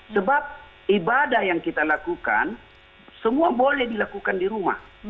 sebab ibadah yang kita lakukan semua boleh dilakukan di rumah